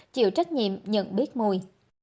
chịu trách nhiệm nhận biết mùi